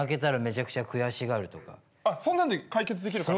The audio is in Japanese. あっそんなんで解決できるかな？